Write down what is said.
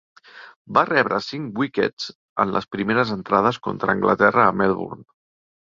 Va rebre cinc wickets en les primeres entrades contra Anglaterra a Melbourne.